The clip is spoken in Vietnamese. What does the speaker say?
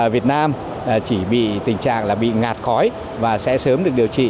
việt nam chỉ bị tình trạng là bị ngạt khói và sẽ sớm được điều trị